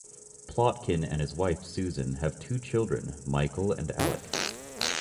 Plotkin and his wife, Susan, have two children, Michael and Alec.